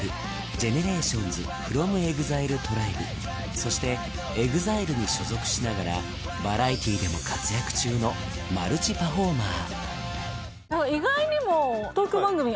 ＧＥＮＥＲＡＴＩＯＮＳｆｒｏｍＥＸＩＬＥＴＲＩＢＥそしてＥＸＩＬＥに所属しながらバラエティーでも活躍中のマルチパフォーマー